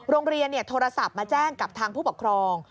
โรงเรียนโทรศัพท์มาแจ้งกับทางผู้ปกครอง